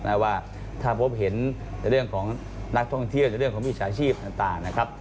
ว่าถ้าพบเห็นในเรื่องของนักท่องเที่ยวในเรื่องของมิจฉาชีพต่างนะครับ